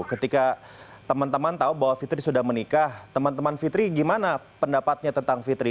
ketika teman teman tahu bahwa fitri sudah menikah teman teman fitri gimana pendapatnya tentang fitri